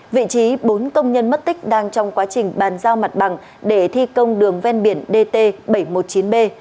vị trí bốn công nhân mất tích đang trong quá trình bàn giao mặt bằng để thi công đường ven biển dt bảy trăm một mươi chín b